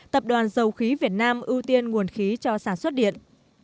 tập đoàn dầu khí việt nam ưu tiên nguồn khí cho sản xuất điện